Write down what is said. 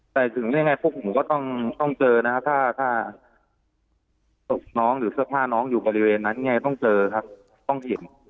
แต่ถึงยังไงพวกผมก็ต้องเจอนะครับถ้าศพน้องหรือเสื้อผ้าน้องอยู่บริเวณนั้นไงต้องเจอครับต้องเห็น